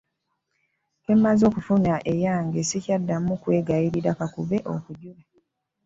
Kemaze okufuna eyange sikyaddamu kwegayirira kakube okujula .